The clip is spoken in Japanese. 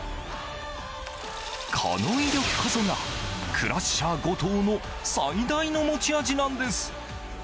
この威力こそがクラッシャー後藤の最大の持ち味なんです。